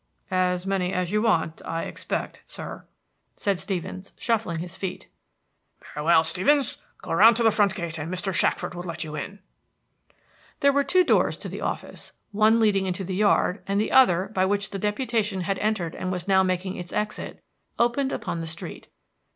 "As many as you want, I expect, sir," said Stevens, shuffling his feet. "Very well, Stevens. Go round to the front gate and Mr. Shackford will let you in." There were two doors to the office, one leading into the yard, and the other, by which the deputation had entered and was now making its exit, opened upon the street.